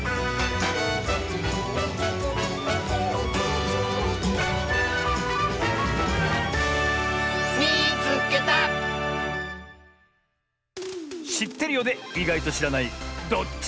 しってるようでいがいとしらない「どっちどっちクイズ」！